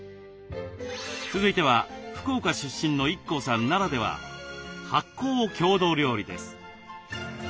続いては福岡出身のＩＫＫＯさんならでは発酵郷土料理です。